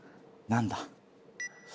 何だ？